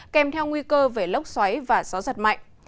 kèm theo nguy cơ về lốc xoáy và gió giật mạnh